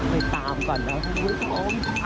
ไปตามก่อนนะ